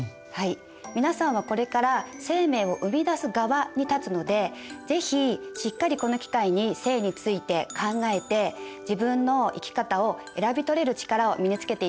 皆さんはこれから生命を生み出す側に立つので是非しっかりこの機会に性について考えて自分の生き方を選び取れる力を身につけていってほしいと思います。